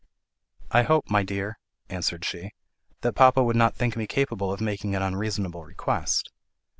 "I hope, my dear," answered she, "that papa would not think me capable of making an unreasonable request."